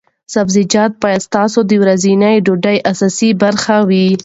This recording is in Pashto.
سبزیجات باید ستاسو د ورځنۍ ډوډۍ اساسي برخه وي.